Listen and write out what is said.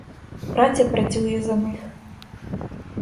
Праця працює за них.